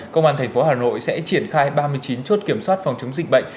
công an thành phố hà nội sẽ triển khai ba mươi chín chốt kiểm soát phòng chống dịch bệnh